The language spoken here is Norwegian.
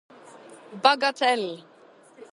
bagatell